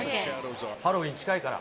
ハロウィーン近いから。